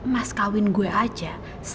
mas kawin gue aja